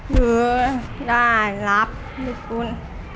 คือได้รับทุน